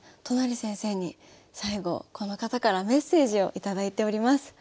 都成先生に最後この方からメッセージを頂いております。